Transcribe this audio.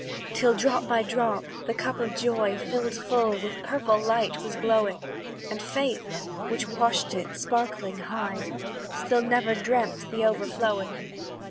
"Till, drop by drop, the cup of joy Filled full, with purple light was glowing, And Faith, which watched it, sparkling high Still never dreamt the overflowing.